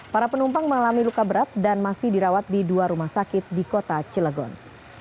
para penumpang mengalami luka berat dan masih dirawat di dua rumah sakit di kota cilegon